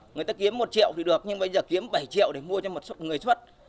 người ta kiếm một triệu thì được nhưng bây giờ kiếm bảy triệu để mua cho một người xuất